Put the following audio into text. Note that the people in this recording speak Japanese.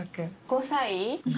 ５歳⁉